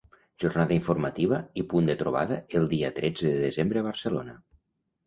Jornada informativa i punt de trobada el dia tretze de desembre a Barcelona.